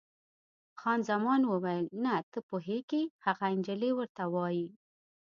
خان زمان وویل: نه، ته پوهېږې، هغه انجلۍ ورته وایي.